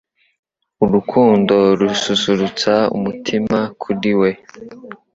Urukundo rususurutsa umutima kuri we